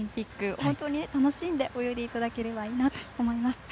本当に楽しんで泳いでいただければいいなと思います。